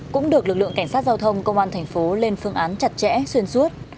cũng được lực lượng cảnh sát giao thông công an thành phố lên phương án chặt chẽ xuyên suốt